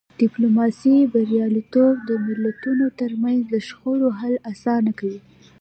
د ډیپلوماسی بریالیتوب د ملتونو ترمنځ د شخړو حل اسانه کوي.